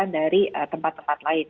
dari tempat tempat lain